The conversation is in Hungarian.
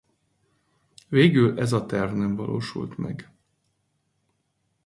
Végül ez a terv nem valósult meg.